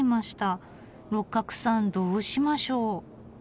六角さんどうしましょう？